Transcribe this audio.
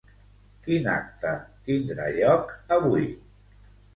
Quin acte tindrà lloc avui?